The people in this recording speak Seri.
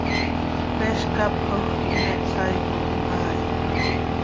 Peez cápxajö quih me hsaaipotim haa hi.